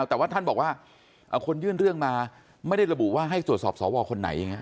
แต่ว่าท่านบอกว่าคนยื่นเรื่องมาไม่ได้ระบุว่าให้ตรวจสอบสวคนไหนอย่างนี้